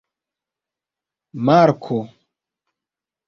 marko